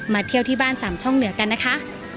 เที่ยวที่บ้านสามช่องเหนือกันนะคะ